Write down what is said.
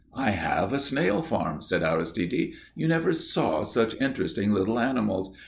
"I have a snail farm," said Aristide. "You never saw such interesting little animals.